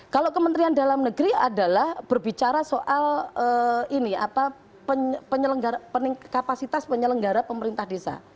kalau kementerian dalam negeri adalah berbicara soal kapasitas penyelenggara pemerintah desa